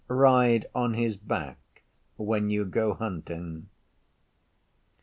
Ride on his back when you go hunting.